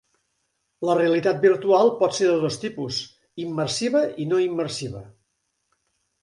La realitat virtual pot ser de dos tipus: immersiva i no immersiva.